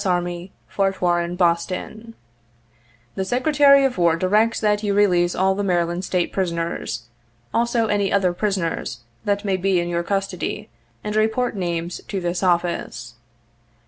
Army, Fort Warren, Boston: ' The Secretary of War directs that you release all the Mary land State prisoners, also any other prisoners that may be in your custody and report names to this office.